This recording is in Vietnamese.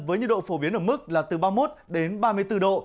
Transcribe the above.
với nhiệt độ phổ biến ở mức là từ ba mươi một đến ba mươi bốn độ